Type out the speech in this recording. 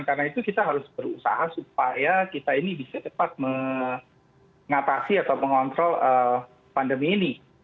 karena itu kita harus berusaha supaya kita ini bisa cepat mengatasi atau mengontrol pandemi ini